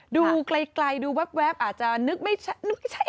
ดูไกลดูแว๊บอาจจะนึกไม่ใช่